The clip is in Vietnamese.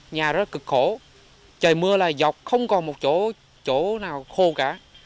nhà rất cực khổ trời mưa là dọc không còn một chỗ nào khô cả